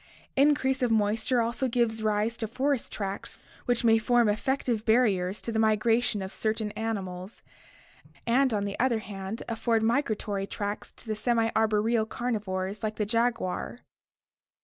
Increase of mois ture also gives rise to forest tracts which may form effective barriers to the migration of certain animals, and on the other hand afford migratory tracts to the semi arboreal carnivores like the jaguar.